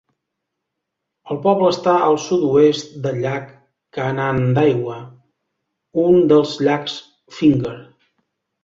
El poble està al sud-oest del llac Canandaigua, un dels llacs Finger.